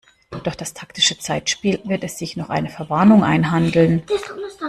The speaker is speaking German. Durch das taktische Zeitspiel wird er sich noch eine Verwarnung einhandeln.